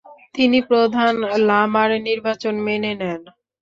তিনি প্রধান লামার নির্বাচন মেনে নেন।